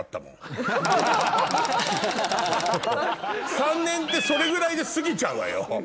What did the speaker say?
３年ってそれぐらいで過ぎちゃうわよ。